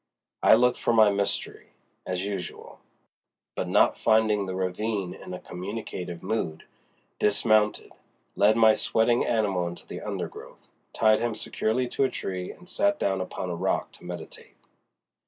I looked for my mystery, as usual, but not finding the ravine in a communicative mood, dismounted, led my sweating animal into the undergrowth, tied him securely to a tree and sat down upon a rock to meditate.